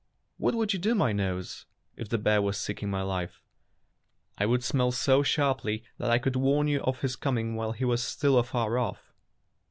"What would you do, my nose, if the bear was seeking my life?" "I would smell so sharply that I could warn you of his coming while he was still afar ofif."